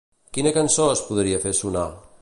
Quina cançó es podria fer sonar?